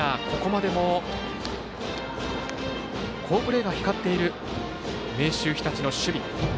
ここまでも好プレーが光っている明秀日立の守備。